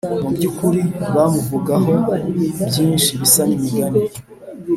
mu by'ukuri bamuvugaho byinshi bisa n'imigani.